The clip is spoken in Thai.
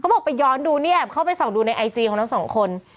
บอกไปย้อนดูเนี่ยแอบเข้าไปส่องดูในไอจีของทั้งสองคน